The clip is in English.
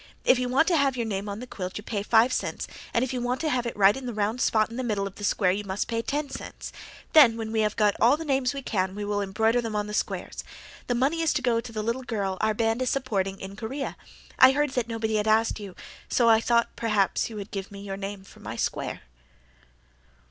If you want to have your name on the quilt you pay five cents, and if you want to have it right in the round spot in the middle of the square you must pay ten cents. Then when we have got all the names we can we will embroider them on the squares. The money is to go to the little girl our Band is supporting in Korea. I heard that nobody had asked you, so I thought perhaps you would give me your name for my square."